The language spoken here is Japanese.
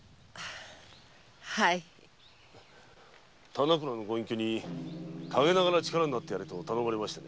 田之倉のご隠居にかげながら力になってやれと頼まれまして。